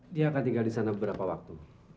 dia akan tinggal di sana beberapa waktu